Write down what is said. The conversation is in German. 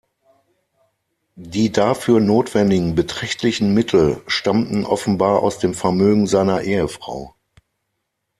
Die dafür notwendigen beträchtlichen Mittel stammten offenbar aus dem Vermögen seiner Ehefrau.